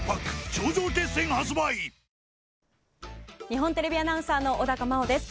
日本テレビアナウンサーの小高茉緒です。